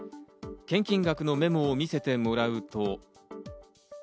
献金額のメモを見せてもらうと。